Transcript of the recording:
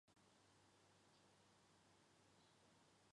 克雷佩人口变化图示